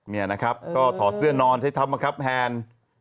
นี่นะครับก็ถอดเสื้อนอนใช้ธรรมะครับแทน